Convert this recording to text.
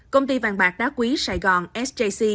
công ty vàng bạc đá quý saigon sjc